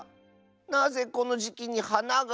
なぜこのじきにはなが。